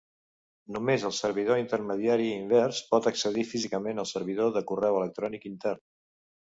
Només el servidor intermediari invers pot accedir físicament al servidor de correu electrònic intern.